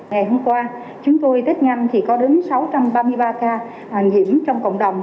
ngày hôm qua chúng tôi tết nhanh thì có đến sáu trăm ba mươi ba ca nhiễm trong cộng đồng